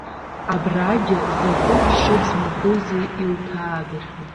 Абрагьы закәытә шыц махәузеи илҭаагахьоу.